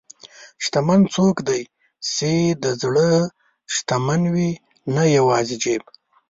شتمن څوک دی چې د زړه شتمن وي، نه یوازې جیب.